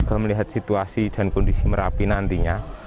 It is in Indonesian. kita melihat situasi dan kondisi merapi nantinya